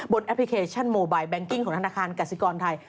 แอปพลิเคชันโมไบแบงกิ้งของธนาคารกสิกรไทย